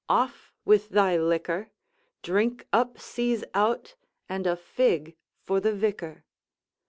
off with thy liquor, Drink upsees out, and a fig for the vicar!